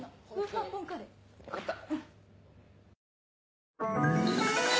分かった。